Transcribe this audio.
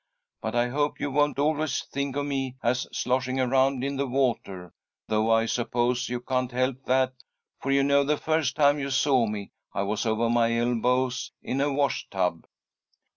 But I hope you won't always think of me as sloshing around in the water, though I suppose you can't help that, for you know the first time you saw me I was over my elbows in a washtub."